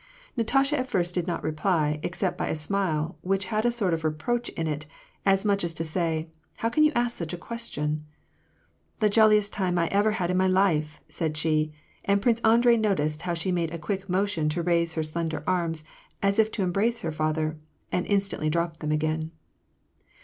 Natasha at first did not reply, except by a smile which had a sort of reproach in it, as much as to say, " How can you ask such a question ?" "The joUiest time I ever had in my life," said she; and Prince Andrei noticed how she made a quick motion to raise her slender arms, as if to embrace her father, and instantly dropped them again.